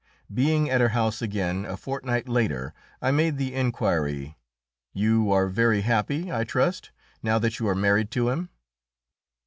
Being at her house again a fortnight later, I made the inquiry, "You are very happy, I trust, now that you are married to him?"